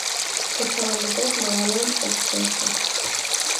Почеламутет мыланем ок келше.